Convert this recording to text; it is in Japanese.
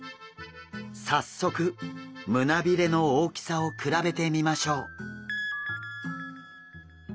早速胸びれの大きさを比べてみましょう。